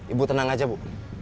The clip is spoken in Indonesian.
ibu tenang aja bu